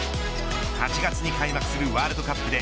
８月に開幕するワールドカップで